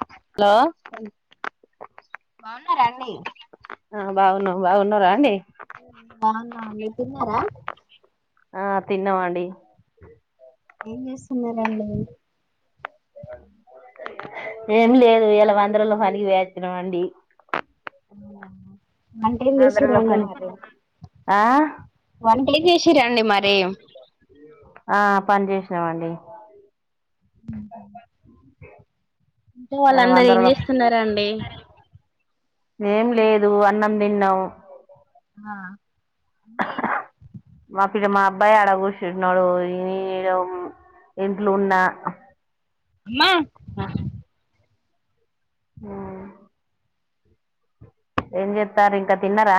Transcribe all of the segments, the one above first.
Hello బాగున్నారాండి బాగున్నారాండి బాగున్నా మీర్ తిన్నారా ఆ తిన్నవండి ఏం చేస్తున్నరండి ఏం లేదు ఈయాల వందల్లో పనికి పోయచ్చిన మండి. అన్నా వంటేమ్ చేసిరండి పని మరి, ఆ వంటేమ్ చేసిరండి మరి ఆ పని చేసినమండి. ఉ [unintelligible] ఇలా వాళ్ళందర ఏం వందరలో చేస్తున్నారా అండి ఏం లేదు అన్నం తిన్నాం ఆ మా అమ్మాయి [unintelligible] అబ్బాయి అడ కూర్చున్నాడు ఈ ఇంట్లో ఉన్నా అమ్మా ఏం చెస్తారు ఇంకా తిన్నరా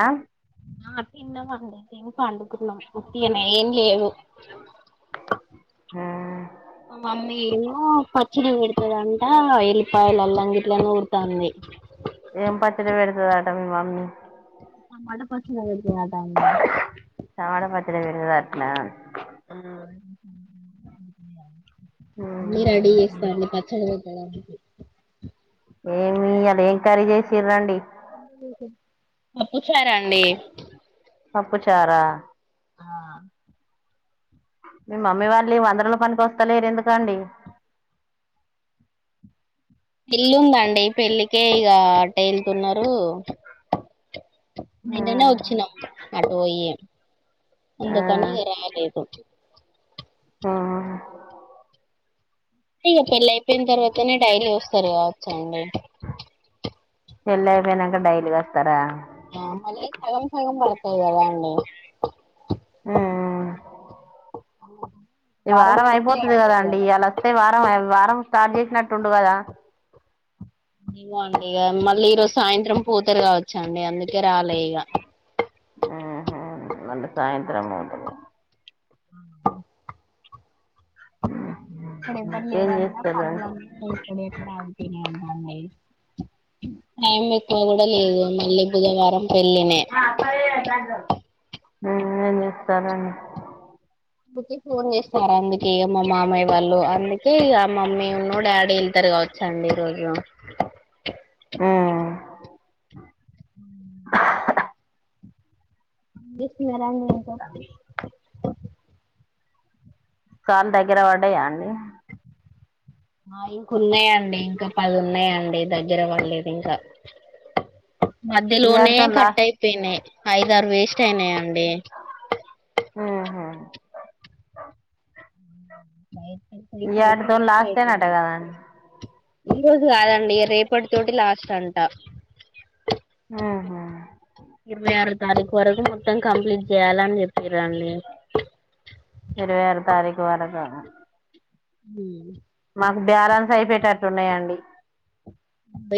ఆ తిన్నమండి తి పండుకున్నాం [unintelligible] ఏం లేవు ఆ మా మమ్మీ ఏమో పచ్చడి పెడతుదంట ఎల్లిపాయల అల్లంగిట్లనే నూరుతంది ఏం [unintelligible] టామాట పచ్చడి పెడతదట అండి టమాట పచ్చడి పెడతాధంటన ఇ అన్నీ రెడి చేస్తా అంది పచ్చడి [unintelligible] ఏమి ఈయల ఏం కర్రీ చేసిర రండి పప్పు చారు అండి పప్పు చార ఆ మీ మమ్మీ వాళ్ళే వందరోల పనికొస్తలేరు ఎందుకండి పెళ్ళుందండి పెళ్ళికే ఇగ టే ఎళ్తున్నరు ఆ నిన్ననే వచ్చినాము అటు పొయ్యి ఆ అందుకని ఇగ రాలేదు ఆ తిగ పెళ్ళై పొయిన తర్వాతనే డైలీ వస్తారు కావచ్చండి పెళ్ళైయిపోయినాంక డైలీ వస్తారా ఆ మళ్ళీ సగం సగం పడతాయి కదా అండి స్ ఉమ్ ఆ ఈ వారం అయిపోతుంది కదాండి ఈయల వస్తే వారం స్టార్ట్ చేసినట్టుండు కదా ఇగో అండి ఇక మళ్ళీ ఈ రోజు సాయంత్రం పోతారు కావచ్చండి అందుకే రాలే ఇక మళ్ళీ సాయంత్రం పోతారు ఆ ఇక్కడ ఎవ్వరు ఏం లేరంట చేస్తారు పనులన్నీ ఎక్కడిఅక్కడ ఆగిపోయినయంట అండి నాంబిక్ పో కూడా లేదు మళ్ళీ బుధవారం పెళ్ళినే స్నానం చేస్తారని ఊరికే ఫోన్ చేస్నారా అండి ఎమ్మో మావయ్య వాళ్ళు అందుకే ఇగ మమ్మీ ఉన్నూ డాడీ వెళ్తరు కావచ్చండి ఈ రోజు హా బిస్ మ్యా జాంగ్రీ ఏసా కాల్ దగ్గర పడ్డాయా అండి నాయికున్నాయ అండి ఇంక పదున్నాయ్ అండి దగ్గర పడలేదు ఇంకా ఈ మధ్యలోనే ఏటితోని కట్ లాస్ట్ అయిపోయినయ్ ఐదారు వేస్ట్ అయినాయండి ఆహా సరికి ఇయాటితోని వేస్ట్ లాస్టేనట అయితుంది కదండ్ ఈ రోజ్ జు కాదండి రేపటి తోటి లాస్ట్ అన్ ట ఉహు ఇరవై ఆరో తారీక్ వరకు మొత్తం కంప్లీట్ జేయలన్ జెప్ ఇరవై ఆరు తారీక్ త్వరగా ఉ నాకు బ్యారన్స్ అయిపేటటున్నాయండి అ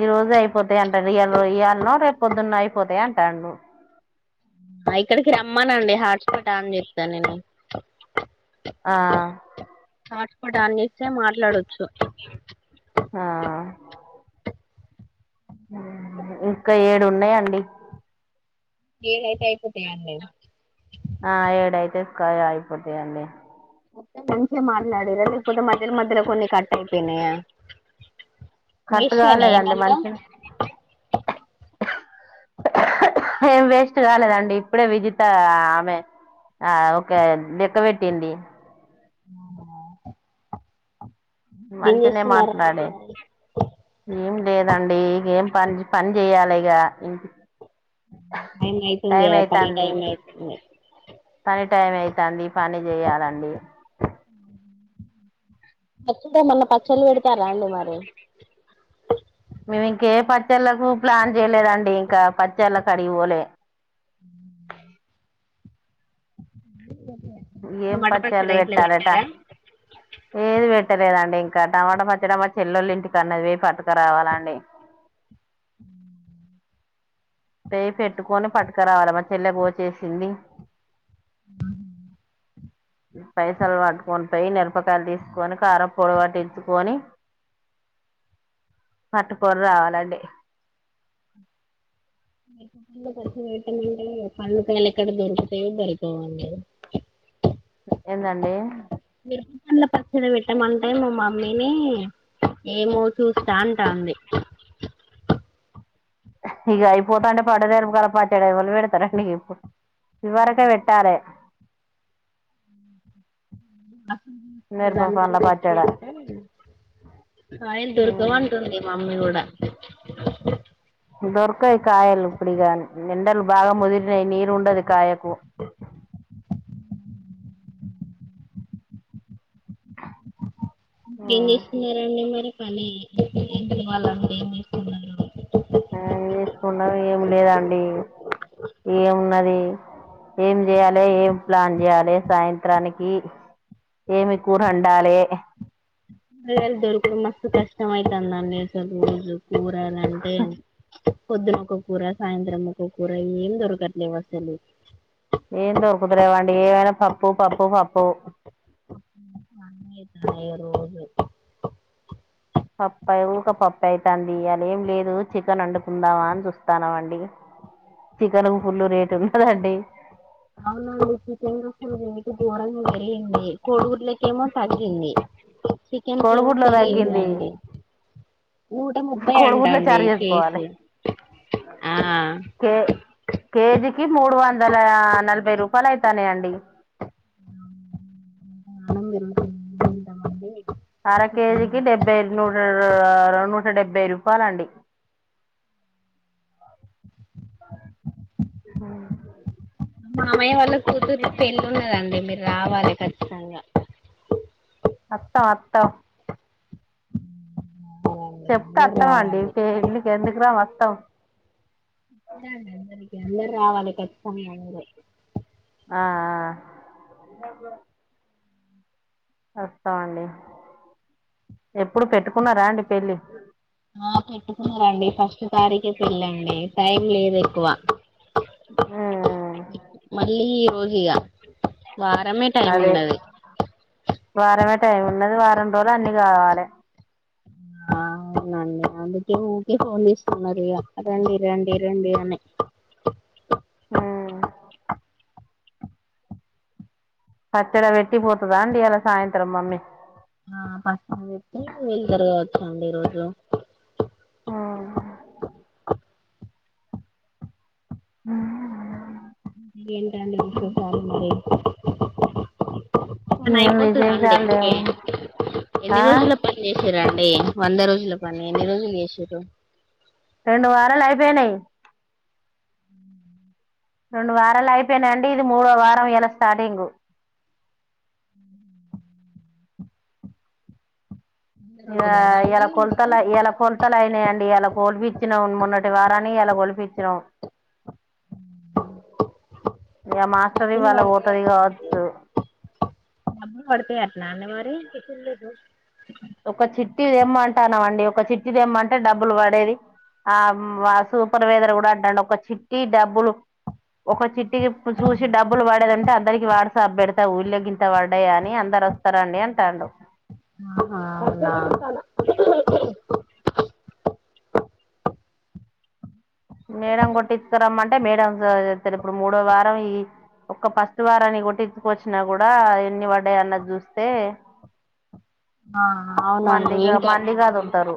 ఈ రోజే అయిపోతాయాంట రియారో ఇయాల్నో రేప్ పొద్దున్న అయిపోతాయి అంటాడు అయ్ ఇక్కడికి రమ్మనండి హాట్పాట్ అన్ జే తా నేను ఆ హాట్పాట్ అన్ చేస్తే మాట్లాడోచ్ ఆ ఇంకా ఏడు ఉన్నాయండి యే టైపోతాయా అండవి కా ఆయిపోతాయాండీ మంచిగా మాట్ ట్లాడిరా లేకపోతే మధ్యలో మధ్యలో కొన్ని కట్ అయిపెనయా కక్ట్ కాలేదండి మంచిన్ ఏం వేస్ట్ కాలేదండి ఇప్పుడే విజిత ఆమె ఆ ఒకే అంది క్క పెట్టింది [unintelligible] ఏం మంచినే చేస్తున్నారండి మాట్లాడే మరి ఏం లేదండి ఇంగేం పన్ పన్ జెయాలే ఇగ్ గా ఇంక్ టైమ్ అయితుంది ఆ పని టైమ్ అయితుంది పని టైం అయితంది పని జేయాలండి [unintelligible] మన పచ్ చలి పెడతర అండి మరి మేము ఇంక ఏ పచ్చల్ల ఉ ప్లాన్ చేయలేదండి. ఇంకా పచ్చళ్ళ కడికిపోలే ఏం టమాటా పచ్చలు పచ్చడి ఇట్లా పెట్టాలట పెట్టారా ఏది పెట్టలేదండి ఇం క టమాట పచ్చడ మా చెల్లోలు ఇంటికనేది పట్టక రావాలండి పే పెట్టుకొని పట్కరావాల మా చెల్లెపో చేసింది హ్మ్ పైసలు పట్టుకొని పోయి మిరపకాయలు తీసుకొని కారం పొడ పట్టించుకొని పట్టుకొనీ రావాలండి. పండుకయలు ఎక్కడ దొరుకుతాయో దొరకవో మీరు ఎంతంటడి మిరపపండ్ల పెట్టమంటే మా మమ్మీని ఏమో చూస్తా అంటాంది ఇక అయిపోతా అంటే పాడదేరపు కాల పట్టేడ వాల్ళు పెడతారడి నీకు ఇప్పుడు ఇదవరకే పేట్టాలి మిరప దానికని పండ్ల పచ్చడ పెట్టామంటే కాయలు దొరకవు అంటుంది మమ్మీ కూడా [inaudible] దొరకయ్ కాయలు ఇప్పుడు ఇగా న్ ఎండలు బాగా ముదిరినయ్ నీరు ఉండదు కాయకు ఏం చేసుకున్నార అండి మరి పని ఏం ఇవాలంటడి ఏం వేసుకున్నారు. కాయలు తీసుకున్న ఎం లేదండి ఏమున్నది ఏం చేయాలి ఏం ప్లాన్ చేయాలే సాయంత్రానికి ఏమి కూరండాలే కురగాయాలు దొరుకుడు మస్త్ కష్టం ఐతది అండి రోజు కూరగాయలంటే పొద్దునొక్క కూర సాయంత్రం ఒక ఒక్క కూర ఏం దొరకట్లే అసలు ఏం దొరుకుత లేవండి ఏమైనా పప్పు పప్పు పప్పు ఇగ రోజు పప్పా ఊకె పప్పు అయితది యియాలా ఏం లేదు చికెన్ వండుకుందామా అని చూస్తాన్నామండి చికెన్ కు ఫుల్లు రేటు ఉన్నదండి చికెన్ రేట్లు గోరంగా ఉన్నాయి ఏంది కోడిగు ఇలకేమో తగ్గింది చికెన్ కెమో కోడిగుడ్లో తగ్గింది పెరిగిందాండి నూట ముప్పై అంటా కోడిగుడ్లో అండి చారు చేసుకోవాలి కేజీ ఆ కే కేజీకి మూడు వందల నలభై రూపాయలు అయితన్నాయి అండి ప్రాణం పెరుగుతుంది తింటామండి అర చికెన్ కేజీకి డెబ్బై నూట ఆ నూట డెబ్బై రూపాయల అండి ఉ మావయ్య వా కూతురిది పెళ్లి ఉన్నదండి రావాలే ఖచ్చితంగా వత్తం వత్త అవునండి చెప్తే అందరు వస్తామండి రావాలి ఇంటికి ఎందుకు రా వతమ్ ఇగ రావాలి పెట్టుకొన్ మీరే ఆ వస్తా అండి ఎప్పుడు పెట్టుకున్నారా అండి పెళ్ళి ఆ పెట్టుకున్నారండి ఫస్ట్ తారీకె పెళ్ళండి టైం లేదు ఎక్కువ ఆ మళ్ళీ ఇగ వారమే టైమ్ అదే ఉన్నది. వారమే టైం ఉన్నది వారం రోజులు అన్ని కావాలే ఆ అవునండి అందుకే ఊకే ఫోన్ చేస్తున్నారు. ఇగా రండి రండి రండి అని ఆ పచ్చడ వేట్టిపోతదా అండి ఇయాలా సాయంత్రం మమ్మీ ఆ ప వెళ్తారు కా అండి ఈరోజు ఆ హ ఏంటండి విశేషాలు మరి పని ఏం అయిపోతద అండి విశేషాలు ఇంకే లేవు ఎన్ని ఆ రోజుల్లో పని చేసిరా అంటే వంద రోజు ఇలా పని ఎన్ని రోజులు చేసిరు తో రెండు వారాలు అయిపోయినయి రెండు వారాలు అయిపోయినా అండి ఇది మూడో వారం ఇలా స్టార్టింగ్ వంద రోజులు కదా ఇయల అండి కొలతలు మొత్తం అయి ఇయల కొలతలు అయినాయండి ఇయాలా కోల్పిచ్చిన మొన్న ఎటు కారని ఇయల కోల్పిచినం ఇగా మాస్టర్ డబ్బులు ఇవాళ పడతాయి పోతది అట్లా కావచ్చు డబ్బులు వాడుతాయి అట్ నానే మరి టిఫిన్ లేదు ఒక చిట్టి తెమ్మంటానం అండి ఒక చిట్టి తేమ్మంటే డబ్బులు వడేది ఆ సూపర్వైజర్ కూడా అంటండు ఒక చిట్టి డబ్బులు ఒక చిట్టి ఇగ ఇప్పుడు చూసి డబ్బులు పడదని అందరికి వాట్సాప్ బెడతా ఊళ్ళో గింత వడ్డాయాని ని అందరు వస్తారండి అంటాడు నా తాన మేడం కొట్టిచ్ కరమ్మంటే మేడం టెన్ ఇప్పుడు మూడో వారం ఈ ఒక్క ఫస్ట్ వారాన్ని కొట్టించుకొచ్చినా కూడా ఎన్ని పడ్డాయి అన్నది జుస్తే ఆ అవునండి ఏం కాదు మందిగా వదులుతారు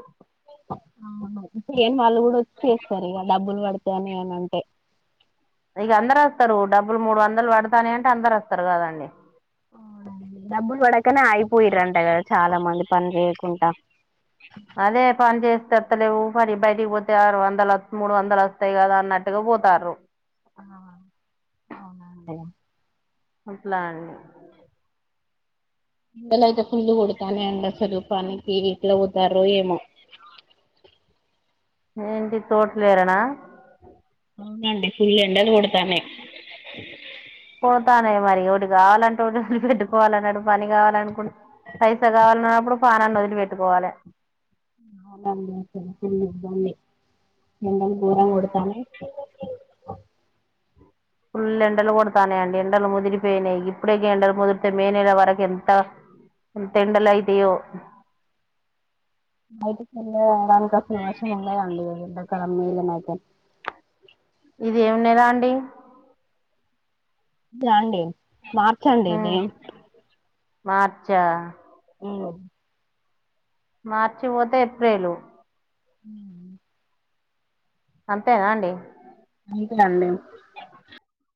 అవును సేమ్ వాళ్ళు కూడా వచ్చి చేస్తారు ఇగా డబ్బులు వడు జని అనీ అంటే ఇక అందరు వస్తారు డబ్బులు మూడు వందలు పడుతున్నాయి అంటే అందరు వస్తారు కదండి అవును అండి డబ్బులు పడకనే అయిపోయిరంట కదా చాలా మంది పని చే కుంటా అదే పని చేస్తారు అలేవు మరి బయటికి పోతే ఆరు వందలు మూడు వందలు వస్తాయి కదా అన్నట్టుగా పోతారు ఆ అవునండి అప్పులా అండి ఎండలు అయితే ఫుల్లు కొడతాన్నాయి అండి అసలు పనికి ఎట్లా పోటార్రో ఏమో ఏంటి తోటలేరనా అవునండి ఫుల్ ఎండలు కొడుతున్నాయి పోతానే మరి ఒటి కావాలంటే ఒటి పెట్టుకోవాలన్నాడు పని కావాలనుకుం పైసా కావాలన్నప్పుడు పనాన్ని వదిలి వేట్టు కోవాలే అవునండి సిరి సిరి విధుంది ఎండలు గోరంగా కొడుతున్నాయి ఫుల్ ఎండలు కొడతానే అండి ఎండలు ముదిరిపోయినాయి ఇప్పుడేకి ఎండలు ముదిరితే మే నెల వరకు ఎంత ఎంత ఎండలు అవుతాయో బయట చల్లగా అవడానికి అసలు వర్షం ము అడి క ఏదనా అయితే ఇది ఏమున్నాదా అండి అండి మార్చి అండి ఇది మార్చా ఆ మార్చి పోతే ఏప్రిల్ హ్మ్మ్ అంతేనా అండి అంతేనండి